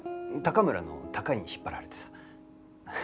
高村の「高い」に引っ張られてさ。